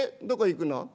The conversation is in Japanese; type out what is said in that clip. どこ行くの？